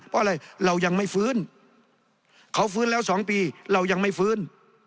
เพราะอะไรเรายังไม่ฟื้นเขาฟื้นแล้ว๒ปีเรายังไม่ฟื้น